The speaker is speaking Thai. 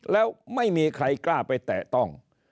แล้วไม่มีใครกล้าไปแตะต้อง